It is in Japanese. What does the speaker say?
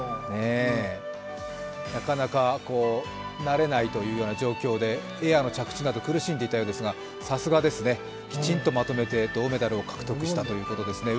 なかなか慣れないという状況でエアの着地など苦しんでいたようですが、さすがですね、きちんとまとめて銅メダルを獲得したということです。